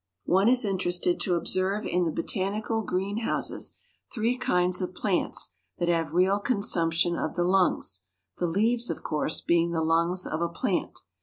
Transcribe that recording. One is interested to observe in the botanical green houses three kinds of plants that have real consumption of the lungs the leaves, of course, being the lungs of a plant.